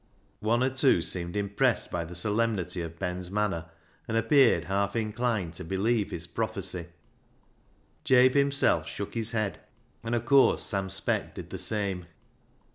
One or two seemed impressed by the solemnity of Ben's manner, and appeared half inclined to believe his prophecy. Jabe himself shook his head, and of course Sam Speck did the same.